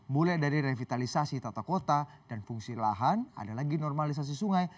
mulai dari revitalisasi tata kota dan fungsi lahan ada lagi normalisasi sungai